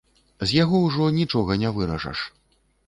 З яго ўжо нічога не выражаш.